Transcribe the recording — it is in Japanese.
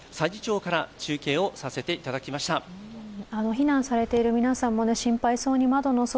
避難されている皆さんも心配そうに窓の外、